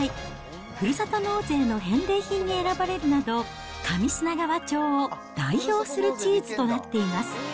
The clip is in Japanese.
ふるさと納税の返礼品に選ばれるなど、上砂川町を代表するチーズとなっています。